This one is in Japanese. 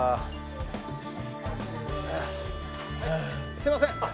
すいません。